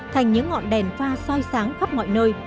thành những ngọn đèn pha soi sáng khắp mọi nơi